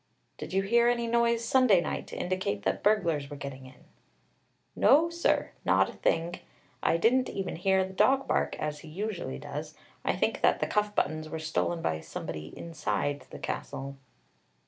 "Did you hear any noise Sunday night to indicate that burglars were getting in?" "No, sir; not a thing. I didn't even hear the dog bark, as he usually does. I think that the cuff buttons were stolen by somebody inside the castle."